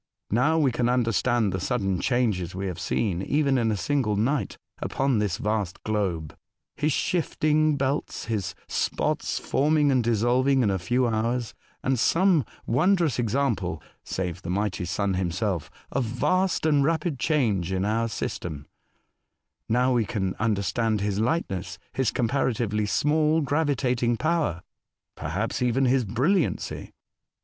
Now we can understand the sudden changes we have seen, even in a single night, upon this vast globe — his shifting belts, his spots forming and dissolving in a few hours — the most wondrous example (save the mighty Sun himself) of vast and rapid change in our system ; now we can understand his lightness, his comparatively small gravitating power, perhaps even his brilliancy."